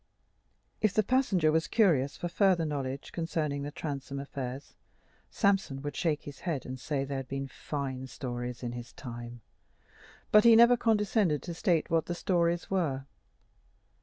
If the passenger was curious for further knowledge concerning the Transome affairs, Sampson would shake his head and say there had been fine stories in his time; but he never condescended to state what the stories were.